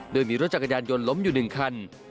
โดยมีรถจักรยานยนต์ล้มอยู่๑คัน